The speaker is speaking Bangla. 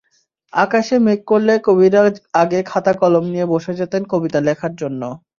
আকাশে মেঘ করলে কবিরা আগে খাতা–কলম নিয়ে বসে যেতেন কবিতা লেখার জন্য।